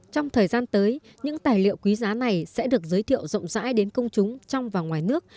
trong thời gian tới những tài liệu quý giá này sẽ được giới thiệu rộng rãi đến công chúng trong và ngoài nước